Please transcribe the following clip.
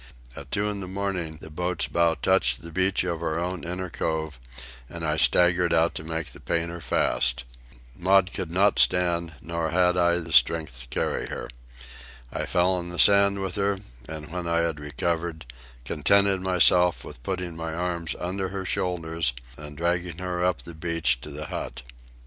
At two in the morning the boat's bow touched the beach of our own inner cove and I staggered out to make the painter fast. Maud could not stand, nor had I strength to carry her. I fell in the sand with her, and, when I had recovered, contented myself with putting my hands under her shoulders and dragging her up the beach to the hut.